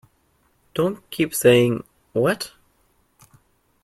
Don't keep saying, 'What?'